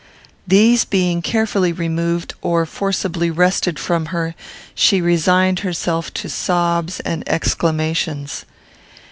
These being carefully removed, or forcibly wrested from her, she resigned herself to sobs and exclamations.